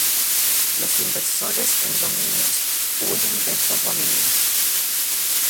Los inversores en dominios huyen de estos dominios.